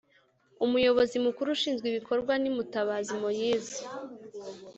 umuyobozi mukuru ushinzwe ibikorwa ni mutabazi moise